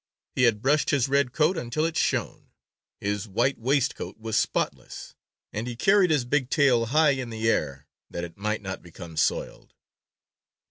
He had brushed his red coat until it shone. His white waistcoat was spotless, and he carried his big tail high in the air, that it might not become soiled.